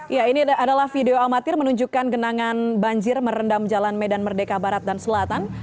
ya ini adalah video amatir menunjukkan genangan banjir merendam jalan medan merdeka barat dan selatan